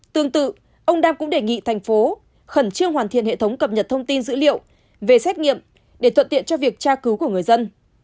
tương tự ông đam cũng đề nghị thành phố khẩn trương hoàn thiện hệ thống cập nhật thông tin dữ liệu về xét nghiệm để thuận tiện cho việc tra cứu của người dân